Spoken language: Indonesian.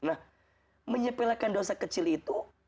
nah menyepelekan dosa kecil itu